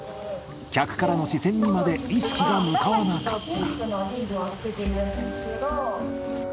客からの視線にまで意識が向かわなかった。